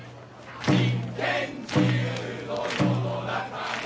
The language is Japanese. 「民権自由の世の中に」